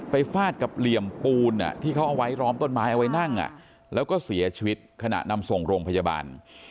ฟาดกับเหลี่ยมปูนที่เขาเอาไว้ร้อมต้นไม้เอาไว้นั่งแล้วก็เสียชีวิตขณะนำส่งโรงพยาบาล